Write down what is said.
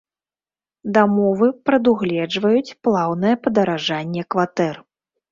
Дамовы прадугледжваюць плаўнае падаражанне кватэр.